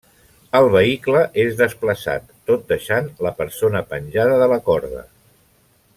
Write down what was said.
El vehicle és desplaçat, tot deixant la persona penjada de la corda.